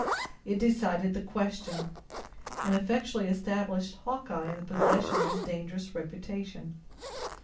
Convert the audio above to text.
It decided the question, and effectually established Hawkeye in the possession of his dangerous reputation.